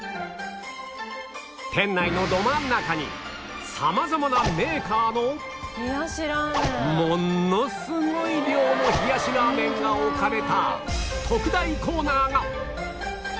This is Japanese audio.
店内のど真ん中に様々なメーカーのものすごい量の冷やしラーメンが置かれた特大コーナーが！